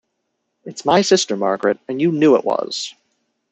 It's my sister Margaret, and you knew it was!